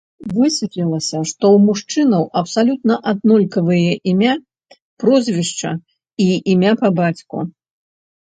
Высветлілася, што ў мужчынаў абсалютна аднолькавыя імя, прозвішча і імя па бацьку.